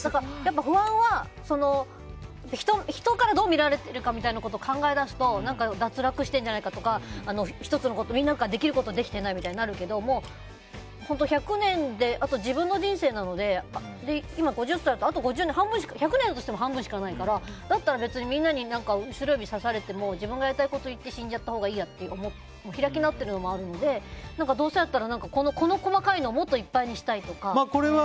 不安は、人からどう見られているかなんてことを考え出すと脱落してるんじゃないかとかみんなができることができていないみたいになるけど１００年であと自分の人生なので今、５０歳で１００年としてもあと半分しかないからだったら別にみんなに後ろ指さされても自分が言いたいことを言って死んじゃったほうがいいやって開き直っているのもあるのでどうせだったらこの細かいのをもっといっぱいにしたいとか。